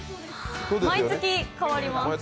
毎月変わります。